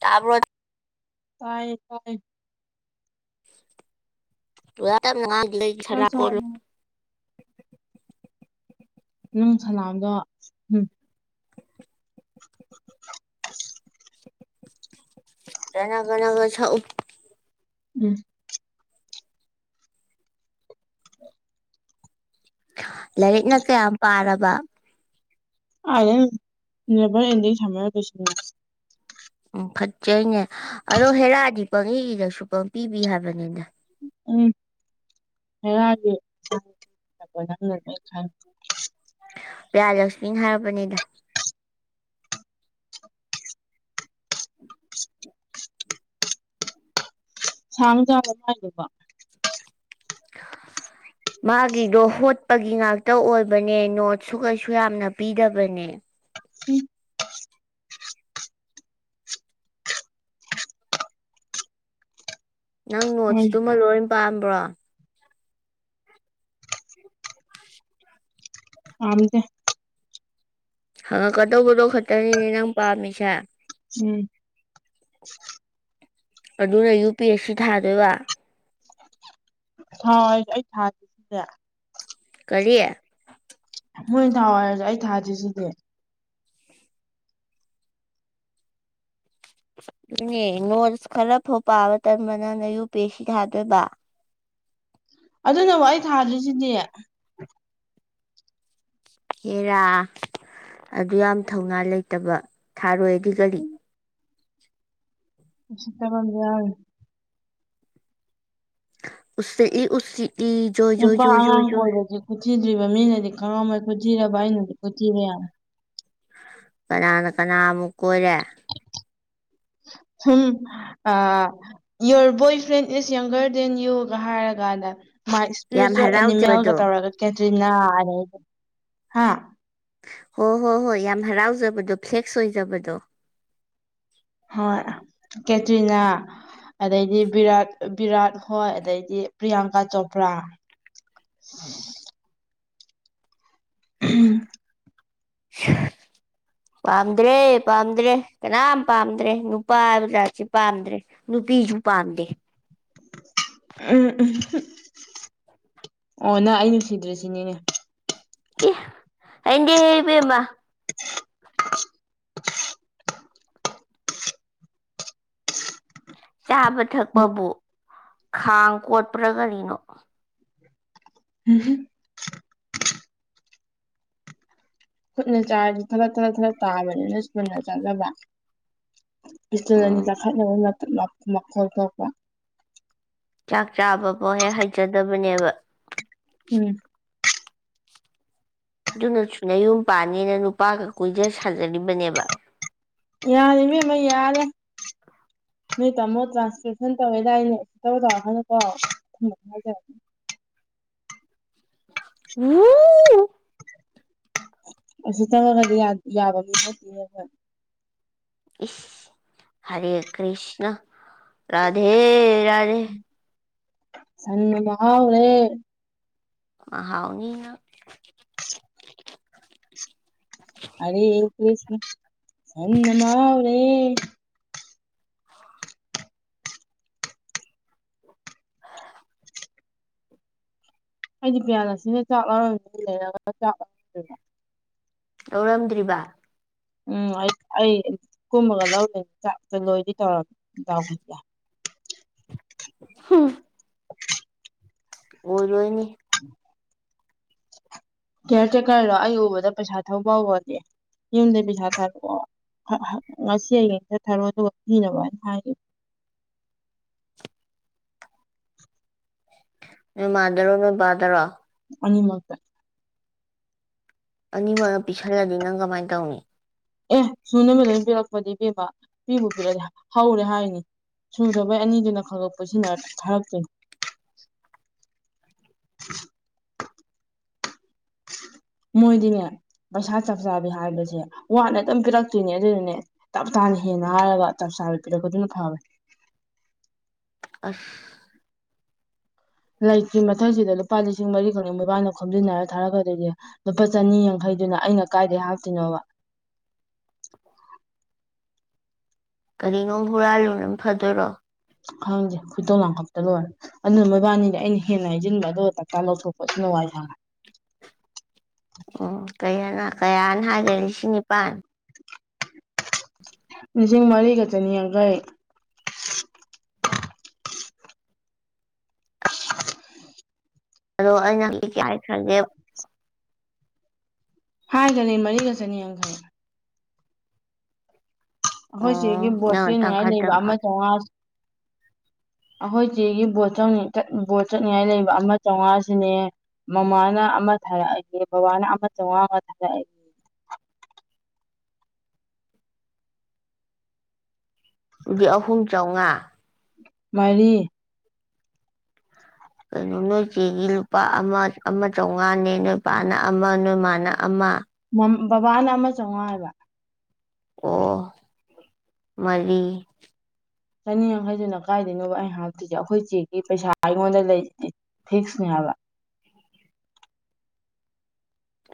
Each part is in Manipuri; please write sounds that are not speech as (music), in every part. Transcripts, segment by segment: ꯇꯥꯕ꯭ꯔꯣꯠ ꯇꯥꯏꯌꯦ ꯇꯥꯏꯌꯦ ꯋꯥ ꯌꯥꯝꯅ ꯉꯥꯡꯗꯤ ꯀꯩꯒꯤ ꯆꯥꯛ ꯁꯅꯥ ꯀꯣꯂꯨ ꯆꯥꯔꯕꯣ ꯅꯪ ꯁꯟꯅꯥꯎꯗꯣ ꯎꯝ ꯖꯟꯅ ꯒꯟꯅꯒ ꯁꯛꯎ ꯎꯝ ꯂꯥꯏꯔꯤꯛꯅ ꯀꯌꯥꯝ ꯄꯥꯔꯕ ꯀꯥꯢꯗꯩꯅꯣ ꯅꯦꯕꯔ ꯑꯦꯟꯗꯤꯡ ꯁꯝꯃꯔ (unintelligible) ꯎꯝ ꯐꯠꯖꯩꯅꯦ ꯑꯗꯣ ꯍꯦꯔꯥꯗꯤ ꯄꯪꯢ ꯢꯔꯁꯨ ꯄꯪꯄꯤ ꯄꯤ ꯍꯥꯏꯕꯅꯤꯗ ꯎꯝ ꯍꯦꯔꯥꯗꯤ (unintelligible) ꯄꯤꯌꯥ ꯂꯛꯁꯃꯤꯅ ꯍꯥꯏꯔꯛꯄꯅꯤꯗ (inaudible) ꯁꯥꯡꯖꯥꯠꯂ ꯃꯥꯏꯗꯨꯕꯣ (inaudible) ꯃꯥꯒꯤꯗꯣ ꯍꯣꯠꯄꯒꯤ ꯉꯥꯛꯇ ꯑꯣꯏꯕꯅꯦ ꯅꯣꯠꯁꯨ ꯀꯩꯁꯨ ꯌꯥꯝꯅ ꯄꯤꯗꯕꯅꯦ (unintelligible) ꯅꯪ ꯍꯣꯏ ꯅꯣꯠꯁꯇꯨꯃ ꯂꯣꯏ ꯄꯥꯝꯕ꯭ꯔꯣ (inaudible) ꯄꯥꯝꯗꯦ ꯍꯡꯉꯛꯀꯗꯧꯕꯗꯣ ꯈꯇꯅꯤꯅꯦ ꯅꯪ ꯄꯥꯝꯃꯤꯁꯦ ꯎꯝ ꯑꯗꯨꯅ ꯌꯨ ꯄꯤ ꯑꯦꯁ ꯁꯤ ꯊꯥꯗꯣꯏꯕ ꯊꯥꯎ ꯍꯥꯏꯔꯁꯨ ꯑꯩ (unintelligible) ꯀꯔꯤ ꯃꯣꯏꯅ ꯊꯥꯎ ꯍꯥꯏꯔꯁꯨ ꯑꯩ ꯊꯥꯗ꯭ꯔꯤꯁꯤꯗꯤ ꯑꯗꯨꯅꯦ ꯅꯣꯠꯁ ꯈꯔ ꯐꯥꯎ ꯄꯥꯕ ꯇꯟꯕ ꯅꯪꯅ ꯌꯨ ꯄꯤ ꯑꯦꯁ ꯁꯤ ꯊꯥꯗꯣꯏꯕ ꯑꯗꯨꯅꯕꯨ ꯑꯩ ꯊꯥꯗ꯭ꯔꯤꯁꯤꯗꯤ ꯍꯦꯔꯥ ꯑꯗꯨꯌꯥꯝ ꯊꯧꯅꯥ ꯂꯩꯇꯕ ꯊꯥꯔꯣꯏꯗꯤ ꯀꯔꯤ ꯎꯁꯤꯠꯇꯕꯝ ꯌꯥꯎꯔꯤ ꯎꯁꯤꯠꯂꯤ ꯎꯂꯤꯠꯂꯤ ꯅꯨꯄꯥ ꯑꯉꯥꯡ ꯀꯣꯏꯕꯗꯤ ꯈꯨꯊꯤꯗ꯭ꯔꯤꯕ ꯃꯤꯅꯗꯤ ꯈꯪꯉꯝꯃꯣꯢ ꯈꯨꯊꯤꯔꯕ ꯑꯩꯅꯗꯤ ꯈꯨꯊꯤꯔꯦ ꯌꯥꯔꯦ ꯀꯅꯥꯅ ꯀꯅꯥꯃꯨꯛ ꯀꯣꯏꯔꯦ ꯁꯨꯝ ꯑꯥ ꯌꯣꯔ ꯕꯣꯏ ꯐ꯭ꯔꯦꯟ ꯏꯁ ꯌꯪꯒꯔ ꯗꯦꯟ ꯌꯨꯒ ꯍꯥꯏꯔꯒꯥꯟꯗ ꯃꯥꯥꯏ ꯌꯥꯝ ꯁ꯭ꯄꯤꯔꯤꯆꯨꯋꯦꯜ ꯍꯔꯥꯎꯖꯕꯗꯣ ꯑꯦꯅꯤꯃꯦꯜꯒ ꯇꯧꯔꯒ ꯀꯦꯇ꯭ꯔꯤꯅꯥ (unintelligible) ꯍꯥ ꯍꯣ ꯍꯣ ꯍꯣꯏ ꯌꯥꯝ ꯍꯔꯥꯎꯖꯕꯗꯣ ꯐ꯭ꯂꯦꯛꯁ ꯑꯣꯏꯖꯕꯗꯣ ꯍꯣꯏ ꯀꯦꯇꯔꯤꯅꯥ ꯑꯗꯩꯗꯤ ꯕꯤꯔꯥꯠ ꯕꯤꯔꯥꯠ ꯍꯣꯏ ꯑꯗꯩꯗꯤ ꯄ꯭ꯔꯤꯌꯥꯡꯀꯥ ꯆꯣꯄ꯭ꯔꯥ ꯎ ꯎꯝ ꯄꯥꯝꯗ꯭ꯔꯦ ꯄꯥꯝꯗ꯭ꯔꯦ ꯀꯅꯥꯝ ꯄꯥꯝꯗ꯭ꯔꯦ ꯅꯨꯄꯥ ꯍꯥꯏꯕꯖꯥꯠꯁꯤ ꯄꯥꯝꯗ꯭ꯔꯦ ꯅꯨꯄꯤꯁꯨ ꯄꯥꯝꯗꯦ ꯎꯝꯝ ꯎꯝ ꯎ ꯑꯣ ꯅꯪ ꯑꯩ ꯅꯨꯡꯁꯤꯗ꯭ꯔꯦꯁꯤꯅꯤꯅꯦ ꯑꯦ ꯍꯩꯅꯗꯦꯍꯦ ꯏꯕꯦꯝꯃ (unintelligible) ꯆꯥꯕ ꯊꯛꯄꯕꯨ ꯈꯥꯡ ꯀꯣꯠꯄ꯭ꯔꯥ ꯀꯔꯤꯅꯣ ꯎꯝ ꯍꯨꯝ ꯈꯨꯠꯅ ꯆꯥꯔꯗꯤ ꯊꯔꯛ ꯊꯔꯠ ꯊꯔꯛ ꯇꯥꯕꯅꯤꯅ ꯁꯄꯨꯟꯅ ꯆꯥꯖꯕ ꯁꯇꯨꯟ ꯑꯅꯤ ꯎꯝ ꯇꯈꯥꯏꯅꯕ ꯃꯥꯈꯣꯜ ꯊꯣꯛꯄ ꯆꯥꯛ ꯆꯥꯕꯐꯥꯎ ꯍꯦꯛ ꯍꯩꯖꯗꯕꯅꯦꯕ ꯎꯝ ꯑꯗꯨꯅꯁꯨꯨꯅ ꯌꯨꯝ ꯄꯥꯅꯤꯅ ꯅꯨꯄꯥꯒ ꯀꯣꯏꯖ ꯁꯥꯖꯔꯤꯕꯅꯦꯕ ꯌꯥꯔꯦ ꯏꯕꯦꯝꯃ ꯌꯥꯔꯦ ꯅꯣꯏ ꯇꯥꯃꯣ ꯇ꯭ꯔꯥꯟꯁꯀꯦꯞꯁꯟ ꯇꯧꯔꯦ ꯂꯏꯅꯦ ꯇꯧꯔ ꯍꯥꯏꯅꯀꯣꯖ ꯍꯨ ꯎꯁꯤꯠꯇꯕ ꯒꯥꯇꯤ ꯌꯥ ꯌꯥꯕ ꯃꯤ ꯅꯠꯇꯦ ꯑꯈꯣꯏ ꯏꯁ ꯍꯔꯦ ꯀ꯭ꯔꯤꯁꯅ ꯔꯙꯦ ꯔꯙꯦ ꯁꯟꯅ ꯃꯍꯥꯎꯔꯦ ꯃꯍꯥꯎꯅꯤꯅꯪ ꯑꯔꯦ ꯀ꯭ꯔꯤꯁꯅ ꯁꯟꯅ ꯃꯍꯥꯎ ꯔꯦ ꯍꯥ ꯑꯩꯗꯤ ꯄꯤꯌꯥꯂꯛꯁꯃꯤꯅ ꯆꯥꯛ ꯂꯧꯔꯝꯅꯤꯅ ꯂꯩꯔꯒ ꯆꯥꯛ ꯂꯧ ꯂꯧꯔꯝꯗ꯭ꯔꯤꯕ ꯎꯝ ꯑꯩ ꯑꯩ ꯀꯨꯝꯃꯒ ꯂꯧꯗꯣꯏ ꯆꯥꯛꯇ ꯂꯣꯏꯗꯤ ꯇꯧꯔꯝꯃꯤ ꯗꯥꯎ ꯗꯥ ꯍꯥ ꯑꯣꯏꯔꯣꯏꯅꯦ ꯇꯥ ꯀꯤꯌꯔ ꯇꯦꯀꯔꯗꯣ ꯑꯩ ꯎꯕꯗ ꯄꯩꯁꯥ ꯊꯧꯕ ꯐꯕꯅꯦ ꯌꯨꯝꯗ ꯄꯩꯁꯥ ꯊꯥꯔꯛꯑꯣ ꯉꯁꯤ ꯍꯌꯦꯡꯗ ꯊꯔꯛꯑꯣ ꯑꯗꯨꯒ ꯄꯤꯅꯕ ꯍꯥꯏꯅ ꯍꯥꯏꯈꯤꯝꯅꯤ ꯅꯣꯏ ꯃꯥꯗꯔꯣ ꯅꯣꯏ ꯕꯥꯗꯔꯣ ꯑꯅꯤꯃꯛꯇ ꯑꯅꯤꯃꯛꯅ ꯄꯤꯁꯜꯂꯗꯤ ꯅꯪ ꯀꯃꯥꯏꯅ ꯇꯧꯅꯤ ꯑꯦ ꯁꯨ ꯅꯕ ꯂꯣꯏꯅ ꯄꯤꯔꯛꯄꯗꯤ ꯏꯕꯦꯝꯃ ꯄꯤꯕꯨ ꯄꯤꯔꯛꯄꯗꯤ ꯍꯧꯔꯦ ꯍꯥꯏꯅꯤ ꯁꯨꯔꯕꯩ ꯑꯅꯤꯗꯨꯅ ꯈꯛ ꯈꯜ ꯄꯨꯟꯁꯤꯟꯅꯔ ꯊꯥꯔꯛꯇꯣꯏ ꯃꯣꯏꯗꯤꯅꯦ ꯄꯩꯁꯥ ꯆꯞ ꯆꯥꯕꯤ ꯍꯥꯏꯕꯁꯦ ꯋꯥꯠꯅ ꯑꯗꯨꯝ ꯄꯤꯔꯛꯇꯣꯏꯅꯦ ꯑꯗꯨꯗꯨꯅꯦ ꯇꯞ ꯇꯥꯅ ꯍꯦꯟꯅ ꯍꯥꯏꯔꯕ ꯆꯞ ꯆꯥꯕꯤ ꯄꯤꯔꯛꯄꯗꯨꯅ ꯐꯕꯅꯦ ꯑꯁ ꯂꯩꯇ꯭ꯔꯤ ꯃꯊꯛꯁꯤꯗ ꯂꯨꯄꯥ ꯂꯤꯁꯤꯡ ꯃꯔꯤꯈꯛꯅꯦ ꯃꯣꯏꯕꯥꯅꯤꯅꯕ ꯈꯣꯝꯖꯤꯟꯅꯔꯒ ꯊꯥꯔꯛꯀꯗꯣꯏꯗꯤ ꯂꯨꯄꯥ ꯆꯅꯤ ꯌꯥꯡꯈꯩꯗꯨꯅ ꯑꯩꯅ ꯀꯥꯏꯗꯒꯤ ꯍꯥꯞꯇꯣꯏꯅꯣꯕ ꯀꯔꯤꯅꯣꯝ ꯍꯨꯔꯥꯜꯂꯨ ꯅ ꯐꯗꯣꯏꯔꯣ ꯈꯪꯗꯦ ꯈꯣꯏꯗꯣ ꯂꯥꯡꯈꯞꯄꯗ ꯂꯣꯏꯔꯦ ꯑꯗꯨꯅ ꯃꯣꯏꯕꯥꯅꯤꯗ ꯑꯩꯅ ꯍꯦꯟꯅ ꯍꯥꯏꯖꯤꯟꯕ ꯑꯗꯨꯒ ꯇꯞꯇꯥꯏ ꯂꯧꯊꯣꯛꯄ ꯑꯗꯨ ꯅ ꯋꯥꯏ ꯁꯪꯉꯦ ꯎꯝ ꯀꯔꯤ ꯍꯥꯏꯅ ꯀꯌꯥꯅ ꯍꯥꯏꯒꯦ ꯂꯤꯁꯤꯡ ꯅꯤꯄꯥꯟ ꯂꯤꯁꯤꯡꯃꯥꯔꯤ ꯒ ꯆꯅꯤ ꯌꯥꯡꯈꯩ ꯑꯗꯣ ꯑꯩꯅ (unintelligible) ꯈ꯭ꯔꯒꯦ ꯍꯥꯏꯒꯅꯤ ꯃꯔꯤꯒ ꯆꯅꯤ ꯌꯥꯡꯈꯩ ꯑꯩꯈꯣꯏ ꯁꯤꯒꯤ ꯎꯝ ꯕꯣꯠ ꯅꯪ ꯆꯦꯅꯤꯡꯉꯥꯏ ꯇꯪꯈꯥꯏ ꯂꯩꯕ ꯑꯃ ꯇꯪꯈꯥꯏ ꯆꯥꯝꯉꯥ ꯑꯩꯈꯣꯏꯁꯤꯒꯤ ꯕꯣꯠ ꯕꯣꯠ ꯆꯠꯅꯤꯡꯉꯥꯏ ꯂꯩꯕ ꯑꯃ ꯆꯥꯝꯃꯉꯥꯁꯤꯅꯦ ꯃꯃꯥꯅ ꯑꯃ ꯊꯥꯔꯛꯑꯒꯦ ꯕꯕꯥꯅ ꯑꯃ ꯆꯥꯃꯉꯥ ꯑꯃ ꯊꯥꯔꯛꯑꯒꯦ ꯑꯗꯨꯗꯤ ꯑꯍꯨꯝ ꯆꯥꯝꯃꯉꯥ ꯃꯔꯤ ꯀꯩꯅꯣ ꯅꯣꯏ ꯆꯦꯒꯤ ꯂꯨꯄꯥ ꯑꯃ ꯑꯃ ꯆꯥꯝꯃꯉꯥꯅꯦ ꯅꯣꯏꯄꯥꯅ ꯑꯃ ꯅꯣꯏꯃꯅ ꯑꯃ ꯕꯕꯥꯅ ꯑꯃ ꯆꯥꯝꯃꯉꯥ ꯍꯥꯏꯕ ꯑꯣ ꯃꯔꯤ ꯆꯅꯤ ꯌꯥꯡꯈꯩꯗꯨꯅ ꯀꯥꯏꯗꯣꯏꯅꯣꯕ ꯑꯩ ꯍꯥꯞꯇꯣꯏꯁꯦ ꯑꯩꯈꯣꯏ ꯆꯦꯒꯤ ꯄꯩꯁꯥ ꯑꯩꯉꯣꯟꯗ ꯂꯩꯔꯤ ꯐꯤꯁꯅꯦ ꯍꯥꯏꯕ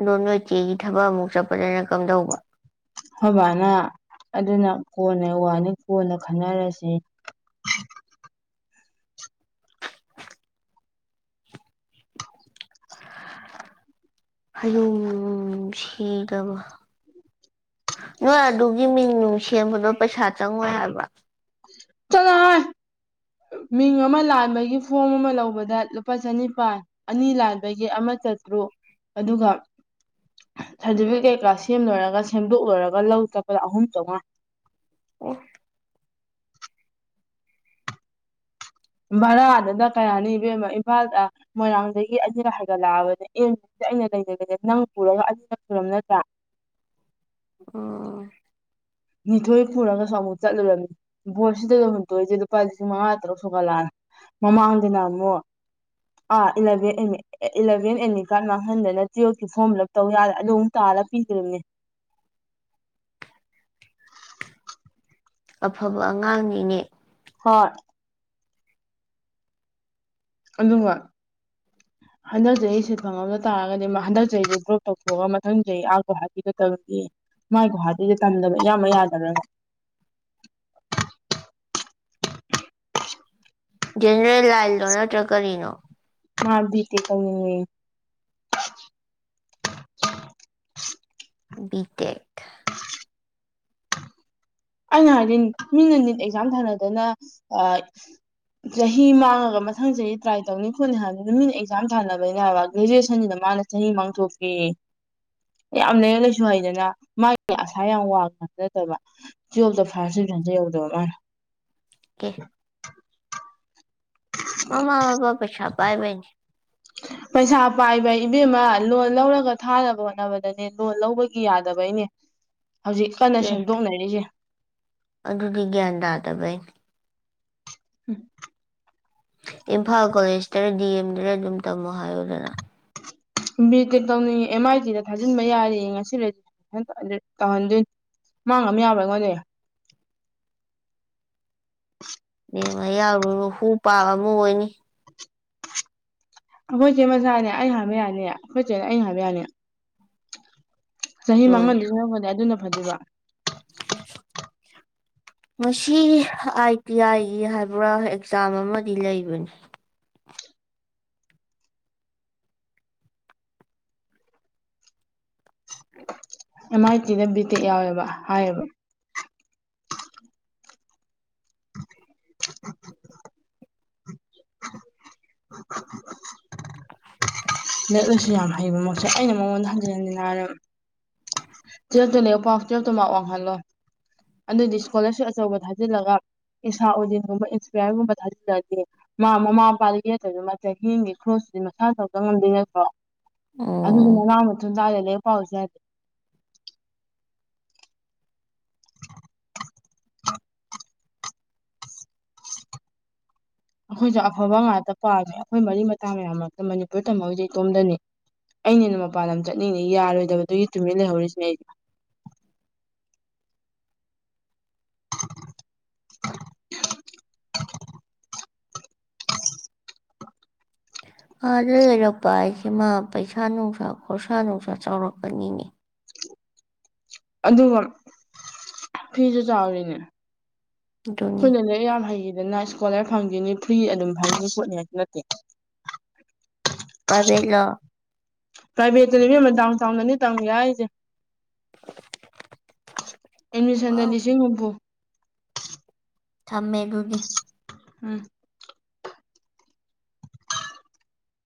ꯂꯣꯟ ꯃꯆꯦꯒꯤ ꯊꯕꯛ ꯑꯃꯨꯛ ꯆꯠꯄꯗꯅ ꯀꯝꯗꯧꯕ ꯑꯩꯈꯣꯏꯕꯥꯅ ꯑꯗꯨꯅ ꯀꯣꯟꯅ ꯋꯥꯅꯤ ꯀꯣꯟꯅ ꯈꯟꯅꯔꯁꯤ ꯍꯌꯨꯝ ꯁꯤꯗꯕ ꯅꯣꯏ ꯑꯗꯨꯒꯤ ꯃꯤꯡ ꯅꯨꯡ ꯁꯦꯝꯕꯗꯣ ꯄꯩꯁꯥ ꯆꯪꯉꯣꯏ ꯍꯥꯏꯕ ꯆꯉꯣ ꯍꯦ ꯃꯤꯡ ꯑꯃ ꯂꯥꯟꯕꯒꯤ ꯐꯣꯝ ꯑꯃ ꯂꯧꯕꯗ ꯂꯨꯄꯥ ꯆꯅꯤꯄꯥꯥꯟ ꯑꯅꯤ ꯂꯥꯟꯕꯒꯤ ꯑꯃ ꯆꯠꯇ꯭ꯔꯨ ꯑꯗꯨꯒ ꯁꯥꯔꯇꯤꯐꯤꯀꯦꯠ ꯀꯥ ꯁꯦꯝꯂꯣꯏꯔꯒ ꯁꯦꯝꯗꯣꯛꯂꯣꯏꯔꯒ ꯂꯧ ꯆꯠꯄ ꯑꯍꯨꯝ ꯆꯥꯝꯃꯉꯥ ꯑꯣ ꯚꯔꯥꯗꯨꯗ ꯀꯌꯥꯅꯤ ꯏꯕꯦꯝꯃꯣ ꯏꯝꯐꯥꯜꯗ ꯃꯣꯏꯔꯥꯡꯗꯒꯤ ꯑꯅꯤꯒ ꯍꯥꯏꯒꯠꯂꯛꯑꯕꯅꯤ ꯑꯦ ꯍꯧꯖꯤꯁ ꯑꯩꯅ ꯂꯩꯖꯒꯦꯅꯦ ꯅꯪ ꯄꯨꯔꯒ ꯑꯅꯤꯔꯛ ꯁꯨꯔꯝ ꯅꯠꯇ꯭ꯔꯥ ꯑꯣ ꯅꯤꯊꯣꯏ ꯄꯨꯨꯔꯒꯁꯨ ꯑꯃꯨꯛ ꯆꯠꯂꯨꯔꯝꯃꯤ ꯕꯣꯠꯁꯤꯗ ꯂ ꯍꯨꯟꯇꯣꯏꯁꯦ ꯂꯨꯄꯥ ꯂꯤꯁꯤꯡ ꯃꯉꯥ ꯇꯔꯨꯛ ꯁꯨꯒꯠꯂꯛꯑꯅꯤ ꯃꯃꯥꯡꯗꯅ ꯑꯃꯨꯛ ꯑꯥ eleven M A A eleven ATM card ꯃꯥꯡꯍꯟꯗꯅ ꯇꯨꯌꯦꯜꯐꯀꯤ ꯐꯣꯔꯝ ꯐꯤ ꯂꯞ ꯇꯧ ꯌꯥꯗ ꯑꯗꯨ ꯑꯃꯨꯛ ꯇꯥꯂ ꯄꯤꯗꯣꯢꯅꯤ ꯑꯐꯕ ꯑꯉꯥꯡꯅꯤꯅꯦ ꯍꯣꯏ ꯑꯗꯨꯒ ꯍꯟꯗꯛ ꯆꯍꯤ ꯁꯤꯠ ꯐꯪꯍꯧꯗ ꯇꯔꯒꯗꯤ ꯍꯟꯗꯛ ꯆꯍꯤꯁꯦ ꯗ꯭ꯔꯣꯞ ꯇꯧꯊꯣꯛꯑꯒ ꯃꯊꯪ ꯆꯍꯤ ꯑ ꯒꯨꯋꯥꯇꯤꯗ ꯇꯧꯔꯨꯒꯦꯌꯦ ꯃꯥꯢ ꯒꯨꯍꯥꯇꯤꯁꯤ ꯇꯝꯗꯕ ꯏꯌꯥꯃꯛ ꯌꯥꯗꯕ꯭ꯔ ꯖꯦꯅꯦꯔꯦꯜ ꯂꯥꯏꯜꯂꯣ ꯅꯠꯇ꯭ꯔꯥꯒ ꯀꯔꯤꯅꯣ ꯃꯥ ꯕꯤ ꯇꯦꯛ ꯇꯧꯅꯤꯡꯉꯦꯌꯦ ꯕꯤꯇꯦꯛ (inaudible) ꯑꯩꯅ ꯍꯥꯏꯗꯤ ꯃꯤꯅ ꯅꯤꯠ ꯑꯦꯛꯖꯥꯝ ꯊꯥꯅꯗꯅ ꯑꯥ ꯆꯍꯤ ꯃꯥꯡꯉꯒ ꯃꯊꯪ ꯆꯍꯤ ꯇ꯭ꯔꯥꯏ ꯇꯧꯅꯤ ꯈꯣꯠꯅꯤ ꯍꯥꯏꯕ ꯃꯤꯅ ꯑꯦꯛꯖꯥꯝ ꯊꯥꯅꯕꯅꯤꯅꯕ ꯒ꯭ꯔꯦꯖꯨꯋꯦꯁꯟꯁꯤꯅ ꯃꯥꯅ ꯆꯍꯤ ꯃꯥꯡꯊꯣꯛꯀꯦꯌꯦ ꯌꯥꯝ ꯂꯩꯔꯤꯛ ꯂꯩꯥꯁꯨ ꯍꯩꯗꯅ ꯃꯥꯒꯤ ꯑꯁꯥ ꯌꯥꯝ ꯋꯥꯡꯕꯁꯨ ꯅꯠꯇꯕ ꯇꯨꯌꯦꯂ꯭ꯐꯇꯥ ꯐꯔꯁ ꯗꯤꯕꯤꯖꯟꯁꯨ ꯌꯧꯗꯕ ꯃꯥꯅ ꯑꯦ ꯃꯃ ꯃꯄꯥ ꯄꯩꯁ ꯄꯥꯏꯕꯩꯅꯤ ꯄꯩꯁꯥ ꯄꯥꯏꯕ ꯏꯕꯦꯝꯃ ꯂꯣꯟ ꯂꯧꯔꯒ ꯊꯥꯅꯕ ꯍꯣꯠꯅꯕꯗꯅꯦ ꯂꯣꯟ ꯂꯧꯕꯒꯤ ꯌꯥꯗꯕꯩꯅꯤ ꯍꯧꯖꯤꯛ ꯀꯟꯅ ꯑꯦ ꯁꯦꯝꯗꯣꯛꯅꯔꯤꯁꯦ ꯑꯗꯨꯗꯤ ꯒ꯭ꯌꯥꯟ ꯇꯥꯗꯕꯩ ꯎꯝ ꯏꯝꯐꯥꯜ ꯀꯣꯂꯦꯖꯇꯔ ꯗꯤ ꯑꯦꯝꯗꯔ ꯑꯗꯨꯝ ꯇꯝꯃꯣ ꯍꯥꯏꯌꯨꯗꯅ ꯕꯤꯇꯦꯛ ꯇꯧꯅꯤꯡꯉꯤ ꯑꯦꯝ ꯑꯥꯏ ꯇꯤꯗ ꯊꯥꯖꯤꯟꯕ ꯌꯥꯔꯦꯌꯦ ꯉꯁꯤ ꯔꯦꯖꯤꯁꯇ꯭ꯔꯦꯁꯟ ꯇꯧꯍꯟꯗꯣꯏꯅꯤ ꯃꯥ ꯉꯝ ꯌꯥꯕ꯭ꯔꯥ ꯑꯩꯉꯣꯟꯗꯒꯤ ꯕꯦꯝꯃ ꯌꯥꯎꯔꯨꯅꯨ ꯍꯨ ꯄꯥꯕ ꯑꯃꯨꯛ ꯑꯣꯏꯅꯤ ꯑꯈꯣꯏꯆꯦ ꯃꯆꯥꯅꯦ ꯑꯩꯅ ꯍꯥꯏꯕ ꯌꯥꯅꯤ ꯑꯩꯈꯣꯏꯆꯦꯅꯦ ꯑꯩ ꯍꯥꯏꯕ ꯌꯥꯅꯤ ꯆꯍꯤ ꯂꯣꯏꯁꯨ ꯃꯥꯡꯍꯟꯗꯣꯢ ꯁꯔꯨꯛꯄꯨꯗꯤ ꯑꯗꯨꯅ ꯐꯗꯣꯢꯕ ꯉꯁꯤ ꯑꯥꯏ ꯇꯤ ꯑꯥꯏꯒꯤ ꯍꯥꯏꯕ꯭ꯔꯥ ꯑꯦꯛꯖꯥꯝ ꯑꯃꯗꯤ ꯂꯩꯕꯅꯤ ꯑꯦꯝ ꯑꯥꯏ ꯇꯤꯗ ꯕꯤꯇꯦꯛ ꯌꯥꯎꯋꯦꯕ ꯍꯥꯏꯌꯦꯕ (inaudible) (inaudible) (inaudible) ꯂꯩꯛ ꯂꯥꯢꯁꯨ ꯌꯥꯝ ꯍꯩꯕ ꯃꯛꯁꯨ ꯑꯩꯅ ꯃꯉꯣꯟꯗ ꯍꯟꯖꯤꯟ ꯍꯟꯖꯤꯟ ꯍꯥꯏꯔꯝꯅꯤ ꯇꯨꯋꯜꯞꯇ ꯂꯥꯢꯔꯤꯛ ꯄꯥꯎ ꯇꯨꯋꯜꯐꯇꯨ ꯃꯥꯛ ꯋꯥꯡꯍꯜꯂꯣ ꯑꯗꯨꯗꯤ ꯏꯁꯀꯣꯂꯔꯁꯤꯞ ꯑꯆꯧꯕ ꯊꯥꯖꯤꯜꯂꯒ ꯏꯁꯥ ꯎꯗꯤꯟꯒꯨꯝꯕ ꯏꯟꯁꯄꯤꯌꯔꯒꯨꯝꯕ ꯊꯥꯖꯤꯜꯂꯑꯗꯤ ꯃꯥ ꯃꯃꯥ ꯃꯄꯥꯗ ꯌꯦꯠꯇꯕꯤꯗ ꯃꯥ ꯆꯍꯤ ꯑꯃꯒꯤ ꯈ꯭ꯔꯣꯁꯇꯨꯗꯤ ꯃꯁꯥ ꯇꯧꯖ ꯉꯝꯗꯣꯏ ꯅꯠꯇ꯭ꯔꯣ ꯑꯣ ꯑꯗꯨꯗꯤ ꯃꯅꯥ ꯃꯊꯨꯝ ꯇꯥꯗꯦ ꯂꯥꯢꯔꯤꯛ ꯄꯥꯎꯑꯣꯁꯨ ꯌꯥꯗꯦ (inaudible) (inaudible) ꯑꯩꯈꯣꯏꯁꯨ ꯑꯐꯕ ꯉꯥꯛꯇ ꯄꯥꯝꯃꯤ ꯑꯩꯈꯣꯏ ꯃꯔꯤ ꯃꯇꯥ ꯃꯌꯥꯝ ꯃꯔꯛꯇ ꯃꯅꯤꯄꯨꯔ ꯇꯝꯍꯧꯔꯤꯁꯤ ꯏꯇꯣꯝꯗꯅꯤ ꯑꯩꯅ ꯍꯦꯅ ꯃꯄꯥꯟ ꯂꯝ ꯆꯠꯅꯤꯡꯉꯦ ꯌꯥꯔꯣꯏꯗꯕꯗꯨꯒꯤ ꯇꯨꯃꯤꯟ ꯂꯩꯍꯧꯔꯤꯁꯤꯅꯦ ꯑꯩ (inaudible) (inaudible) ꯑꯥꯗ ꯂꯩꯔꯛꯄ ꯍꯥꯏꯁꯦ ꯃꯥ ꯄꯩꯁꯥ ꯅꯨꯡꯁꯥ ꯈꯣꯔꯁꯥ ꯅꯨꯡꯁꯥ ꯆꯥꯎꯔꯛꯀꯅꯤꯅꯦ ꯑꯗꯨꯒ ꯐꯤꯁꯨ ꯆꯥꯎꯔꯤꯅꯤ ꯑꯗꯨꯅꯤ ꯑꯩꯈꯣꯏꯅ ꯂ ꯌꯥꯝ ꯍꯩꯈꯤꯗꯅ ꯏꯁꯀꯣꯂꯔ ꯐꯪꯈꯤꯅꯤ ꯐ꯭ꯔꯤ ꯑꯗꯨꯝ ꯐꯪꯅꯤ ꯈꯣꯠꯅꯤ ꯍꯥꯏꯁꯨ ꯅꯠꯇꯦ ꯄꯔꯥꯏꯕ‌ꯦꯠꯂꯣ ꯄ꯭ꯔꯥꯏꯚꯦꯠꯇꯅꯤ ꯏꯕ‌ꯦꯝꯃ ꯗꯥꯎꯟ ꯆꯥꯎꯟꯗꯅꯤ ꯇꯝꯒꯦ ꯍꯥꯏꯁꯦ (inaudible) ꯑ ꯑꯦꯠꯃꯤꯁꯟꯗ ꯂꯤꯁꯤꯡ ꯍꯨꯝꯐꯨ ꯊꯃꯦꯑꯗꯨꯗꯤ ꯎꯝ